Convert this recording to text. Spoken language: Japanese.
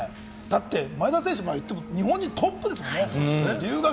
だって前田選手、日本人トップですもんね。